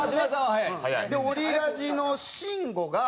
でオリラジの慎吾が。